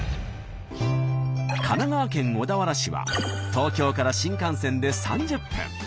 神奈川県小田原市は東京から新幹線で３０分。